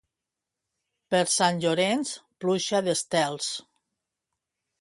Per Sant Llorenç, pluja d'estels.